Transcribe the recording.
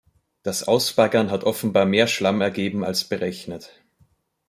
Das Ausbaggern hat offenbar mehr Schlamm ergeben als berechnet.